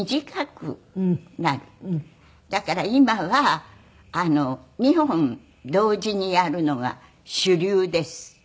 「だから今は２本同時にやるのが主流です」って。